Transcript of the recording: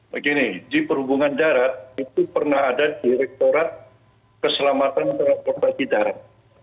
begini di perhubungan darat itu pernah ada direktorat keselamatan transportasi darat